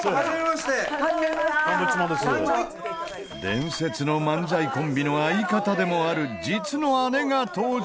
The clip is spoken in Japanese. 伝説の漫才コンビの相方でもある実の姉が登場。